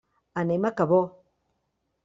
Anem a Cabó.